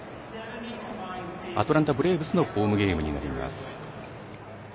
アトランタ・ブレーブスのホームゲームになります。